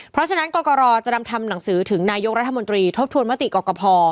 เพราะฉะนั้นกรกรจะนำทำหนังสือถึงนายกรัฐมนตรีทบทวนมติกรกภ